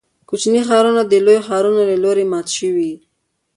کوچني ښارونه د لویو ښارونو له لوري مات شوي.